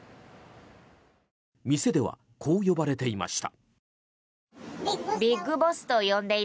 店では、こう呼ばれていました。